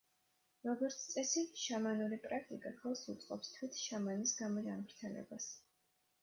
როგორც წესი, შამანური პრაქტიკა ხელს უწყობს თვით შამანის გამოჯანმრთელებას.